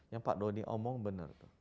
yang pak doni omong benar